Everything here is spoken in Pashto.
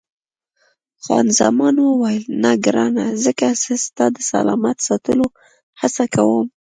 خان زمان وویل، نه ګرانه، ځکه زه ستا د سلامت ساتلو هڅه کوم.